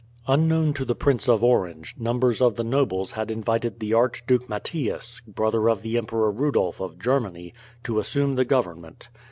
Unknown to the Prince of Orange, numbers of the nobles had invited the Archduke Mathias, brother of the Emperor Rudolph of Germany, to assume the government.